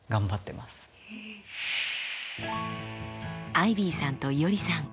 アイビーさんといおりさん。